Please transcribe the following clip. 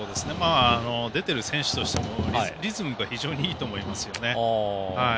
出てる選手としてもリズムが非常にいいと思いますよね。